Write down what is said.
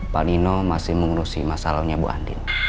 pak nino masih mengurusi masalahnya bu andin